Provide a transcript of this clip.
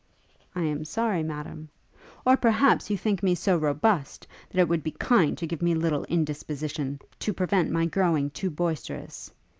'I am sorry, Madam, ' 'Or perhaps you think me so robust, that it would be kind to give me a little indisposition, to prevent my growing too boisterous?